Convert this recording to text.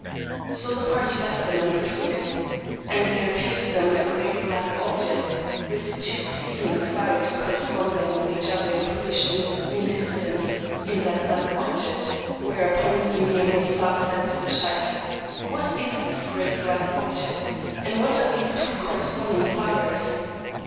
So the party left him and proceeded; and there appeared to them a great black object, with two [seeming] fires corresponding with each other in position, in the distance, in that black object; whereupon the Emeer Moosà said to the sheykh, What is this great black object, and what are these two corresponding fires?